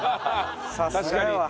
さすがやわ。